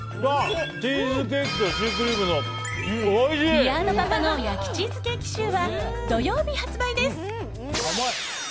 ビアードパパの焼きチーズケーキシューは土曜日発売です。